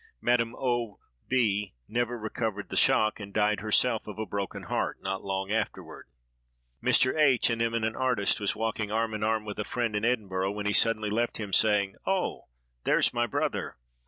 Madame O—— B—— never recovered the shock, and died herself of a broken heart not long afterward. Mr. H——, an eminent artist, was walking arm in arm with a friend in Edinburgh, when he suddenly left him, saying, "Oh, there's my brother!"